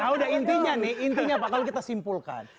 nah udah intinya nih intinya pak kalau kita simpulkan